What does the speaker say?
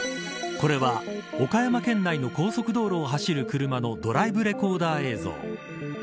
これは岡山県内の高速道路を走る車のドライブレコーダー映像。